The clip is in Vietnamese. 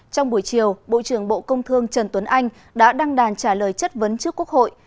trong buổi chiều bộ trưởng bộ công thương trần tuấn anh đã đăng đàn trả lời chất vấn trước quốc hội